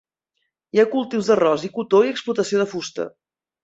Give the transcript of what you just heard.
Hi ha cultius d'arròs i cotó i explotació de fusta.